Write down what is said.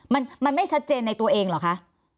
มันไม่ชัดเจนในตัวเองเหรอคะ